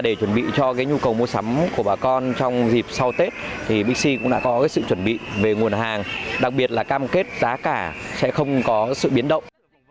để chuẩn bị cho nhu cầu mua sắm của bà con trong dịp sau tết thì bc cũng đã có sự chuẩn bị về nguồn hàng đặc biệt là cam kết giá cả sẽ không có sự biến động